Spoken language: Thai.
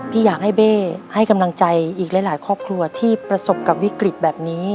อยากให้เบ้ให้กำลังใจอีกหลายครอบครัวที่ประสบกับวิกฤตแบบนี้